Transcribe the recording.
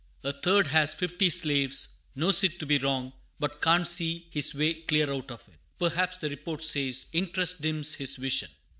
A third has fifty slaves; knows it to be wrong, but can't see his way clear out of it. "Perhaps," the report says, "interest dims his vision."